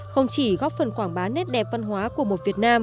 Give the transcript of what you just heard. không chỉ góp phần quảng bá nét đẹp văn hóa của một việt nam